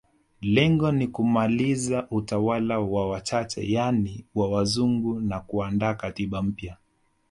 Lengo ni kumaliza utawala wa wachache yani wa wazungu na kuandaa katiba mpya